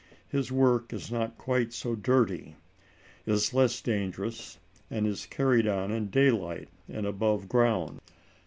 His work is not quite so dirty, is less dangerous, and is carried on in daylight and above ground.